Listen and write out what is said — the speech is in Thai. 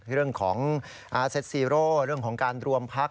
เรื่องของเซ็ตซีโร่เรื่องของการรวมพัก